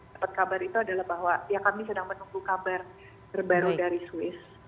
dapat kabar itu adalah bahwa ya kami sedang menunggu kabar terbaru dari swiss